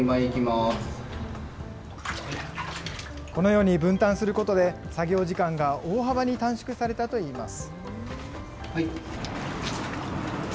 このように分担することで、作業時間が大幅に短縮されたといいます。